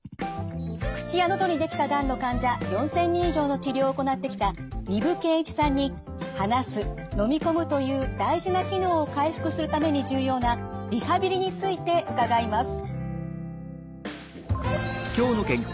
口や喉にできたがんの患者４，０００人以上の治療を行ってきた丹生健一さんに「話す」「のみ込む」という大事な機能を回復するために重要なリハビリについて伺います。